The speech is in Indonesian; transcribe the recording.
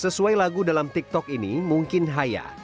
sesuai lagu dalam tiktok ini mungkin haya